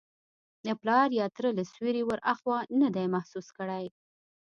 د پلار یا تره له سیوري وراخوا نه دی محسوس کړی.